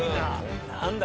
何だ？